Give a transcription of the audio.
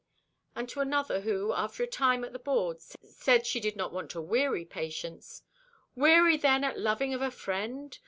And to another who, after a time at the board, said she did not want to weary Patience: "Weary then at loving of a friend?